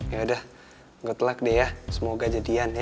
yaudah good luck deh ya semoga jadian ya